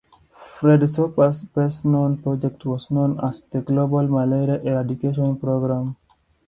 Fred Soper's best-known project was known as the Global Malaria Eradication Program.